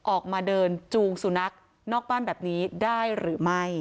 ออกมาเดินจูงสุนัขนอกบ้านแบบนี้ได้หรือไม่